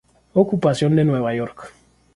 Ocupación de Nueva York.